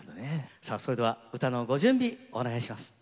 さあそれでは唄のご準備お願いします。